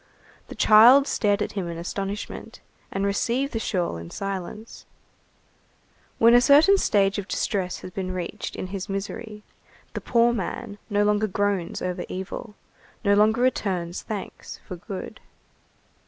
The child stared at him in astonishment, and received the shawl in silence. When a certain stage of distress has been reached in his misery, the poor man no longer groans over evil, no longer returns thanks for good.